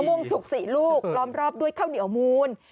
ม่วงสุก๔ลูกล้อมรอบด้วยข้าวเหนียวมูล